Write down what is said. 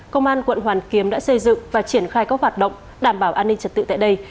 công an quận hoàn kiếm đã xây dựng và triển khai các hoạt động đảm bảo an ninh trật tự tại đây